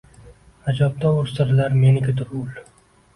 Ajabtovur sirlar menikidur ul